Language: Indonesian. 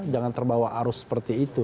jangan terbawa arus seperti itu